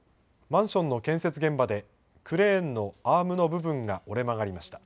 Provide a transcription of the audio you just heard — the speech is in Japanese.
マンションの建設現場で、クレーンのアームの部分が折れ曲がりました。